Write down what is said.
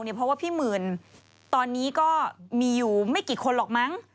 เพราะว่าพี่หมื่นตอนนี้ก็มีอยู่ไม่กี่คนหรอกมั้ง